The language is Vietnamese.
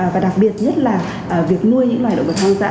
và đặc biệt nhất là việc nuôi những loài động vật hoang dã